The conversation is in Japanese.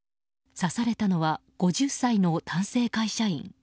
刺されたのは５０歳の男性会社員。